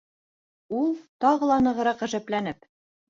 Ул, тағы ла нығыраҡ ғәжәпләнеп: